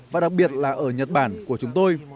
và đặc biệt là ở nhật bản của chúng tôi